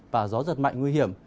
và gió giật mạnh nguy hiểm